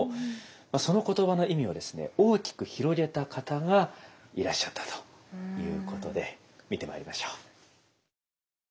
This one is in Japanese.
その言葉の意味をですね大きく広げた方がいらっしゃったということで見てまいりましょう。